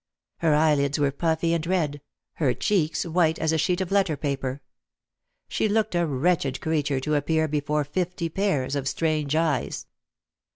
Her eyelids were puffy and red; her cheeks white as a sheet of letter paper. She looked a wretched creature to appear before fifty pairs of strange eyes.